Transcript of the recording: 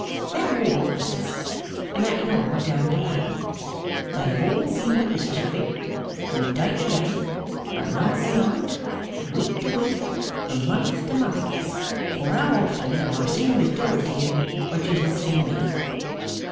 'That wall opposite, and that yard down below? They have all been witnesses of it, from day to day, from night to night, from week to week, from month to month. For how often have I seen Miss Dorrit here when she has not seen me!